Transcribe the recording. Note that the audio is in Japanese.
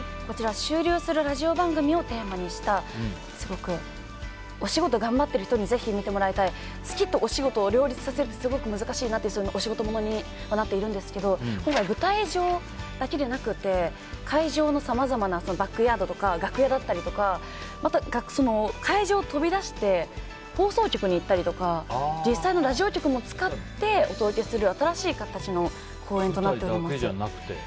終了するラジオ番組をテーマにしたお仕事頑張ってる人にぜひ見てもらいたい好きとお仕事を両立させるって難しいなっていうお仕事ものにはなっているんですけど舞台上だけでなくて会場のさまざまなバックヤードとか楽屋だったりとか会場を飛び出して放送局に行ったりとか実際のラジオ局も使ってお届けする新しい形の公演となっております。